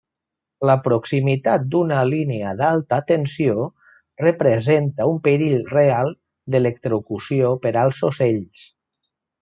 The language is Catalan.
La proximitat d'una línia d'alta tensió representa un perill real d'electrocució per als ocells.